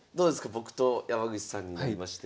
僕と山口さんになりまして。